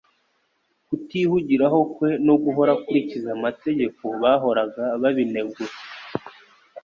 Kutihugiraho kwe no guhora akurikiza amategeko bahoraga babinegura.